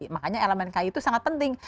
makanya elemen kai itu sangat penting